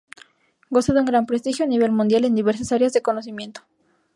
Goza de gran prestigio a nivel mundial en diversas áreas de conocimiento.